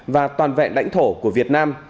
và toàn vẹn lãnh thổ của việt nam